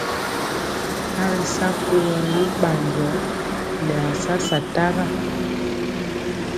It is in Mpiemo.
A ri sa kuwɔ ri bi ɓanjɔ nɛ a sa sataga.